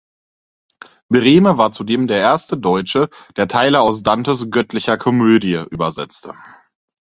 Brehme war zudem der erste Deutsche, der Teile aus Dantes „Göttlicher Komödie“ übersetzte.